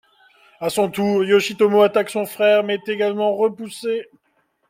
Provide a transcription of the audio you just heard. À son tour, Yoshitomo attaque son frère, mais est également repoussé.